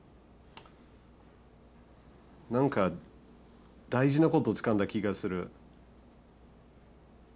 何か大事なことをつかんだ気がする。